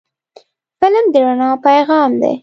فلم د رڼا پیغام دی